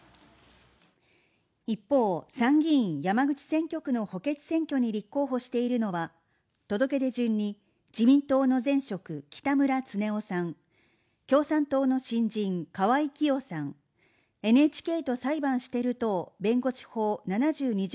一方、参議院山口選挙区の補欠選挙に立候補しているのは、届け出順に自民党の前職・北村経夫さん、共産党の新人・河合喜代さん、ＮＨＫと裁判している党弁護士法７２条